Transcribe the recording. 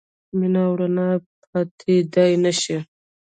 مینه او رڼا پټېدای نه شي.